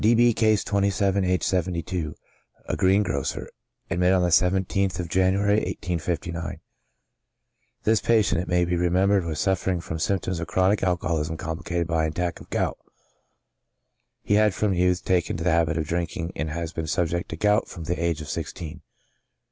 D. B —, (Case 27,) aged 72, a greengrocer; admitted on the 17th of January, 1859. This patient, it may be remembered, was suffering from symptoms of chronic alcoholism complicated by an attack of gout. He had, from youth, taken to the habit of drink ing, and has been subject to gout from the age of sixteen.